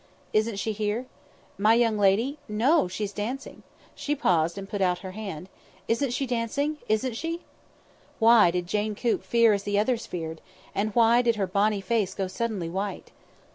"Isn't she here?" "My young lady? No; she's dancing." She paused, and put out her hand. "Isn't she dancing? Isn't she?" Why did Jane Coop fear as the others feared, and why did her bonny face go suddenly white?